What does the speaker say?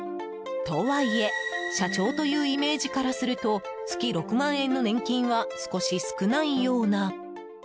とはいえ社長というイメージからすると月６万円の年金は少し少ないような。